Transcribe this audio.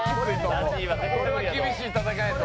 これは厳しい戦いやと。